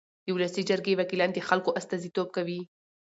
د ولسي جرګې وکیلان د خلکو استازیتوب کوي.